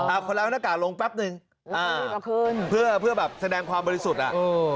อ่าเอาหน้ากากลงแป๊บหนึ่งอ่าเพื่อแบบแสดงความบริสุทธิ์อ่ะอืม